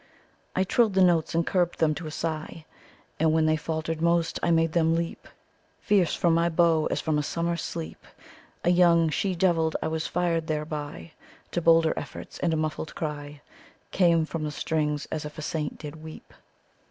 "I trill'd the notes, and curb'd them to a sigh, And when they falter'd most, I made them leap Fierce from my bow, as from a summer sleep A young she devil. I was fired thereby To bolder efforts and a muffled cry Came from the strings as if a saint did weep.